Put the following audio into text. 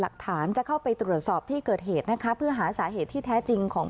หลักฐานจะเข้าไปตรวจสอบที่เกิดเหตุนะคะเพื่อหาสาเหตุที่แท้จริงของ